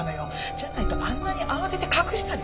じゃないとあんなに慌てて隠したりしないわよ。